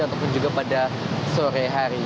ataupun juga pada sore hari